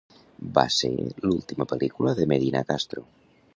Va ser l'última pel·lícula de Medina Castro.